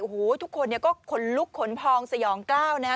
โอ้โหทุกคนก็ขนลุกขนพองสยองกล้าวนะฮะ